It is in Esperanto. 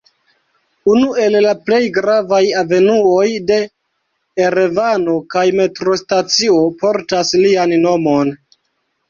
Unu el la plej gravaj avenuoj de Erevano kaj metrostacio portas lian nomon.